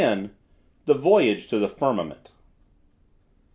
THE VOYAGE TO THE FIRMAMENT.